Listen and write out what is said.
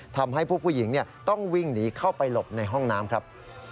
ทำให้ผู้หญิงต้องวิ่งหนีเข้าไปหลบในห้องน้ำครับ